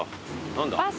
何だ？